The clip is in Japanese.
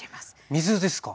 水ですか？